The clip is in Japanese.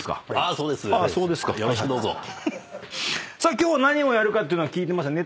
今日は何をやるかっていうのは聞いてましたね？